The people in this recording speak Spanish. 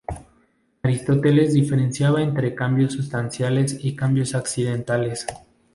Aristóteles diferenciaba entre cambios "sustanciales" y cambios "accidentales".